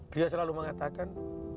dia selalu mengatakan